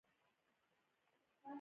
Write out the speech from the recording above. دوی سره نهه کبان دي